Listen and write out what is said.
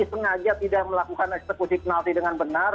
sengaja tidak melakukan eksekusi penalti dengan benar